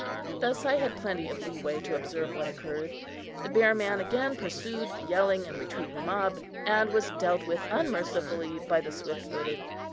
Thus I had plenty of leeway to observe what occurred. The bear man again pursued the yelling and retreating mob, and was dealt with unmercifully by the swift footed.